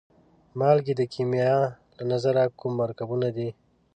مالګې د کیمیا له نظره کوم مرکبونه دي؟